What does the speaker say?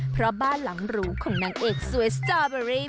เพราะบ้านหลังหรูของนางเอกสวยสตอเบอรี่